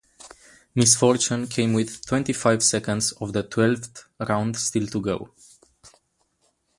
Misfortune came with twenty five seconds of the twelfth round still to go.